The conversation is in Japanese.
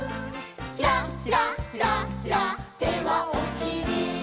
「ひらひらひらひら」「手はおしり」